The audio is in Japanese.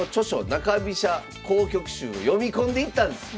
「中飛車好局集」を読み込んでいったんです。